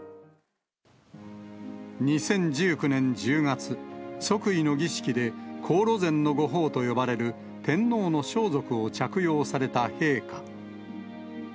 ２０１９年１０月、即位の儀式で黄櫨染御袍と呼ばれる天皇の装束を着用された陛下。